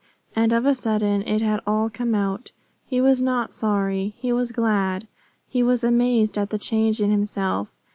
And of a sudden it had all come out. He was not sorry. He was glad. He was amazed at the change in himself.